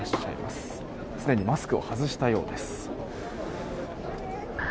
すでにマスクを外したようです。